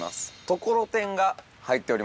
ところてん？